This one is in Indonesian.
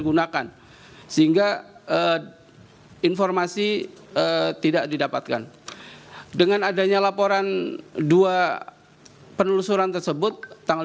gunakan sehingga informasi tidak didapatkan dengan adanya laporan dua penelusuran tersebut tanggal